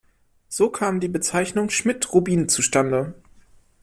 So kam die Bezeichnung Schmidt-Rubin zustande.